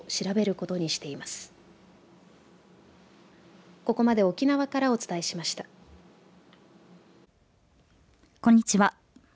こんにちは。